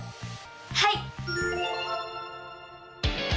はい！